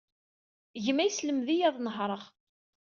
Gma yesselmed-iyi ad nehṛeɣ.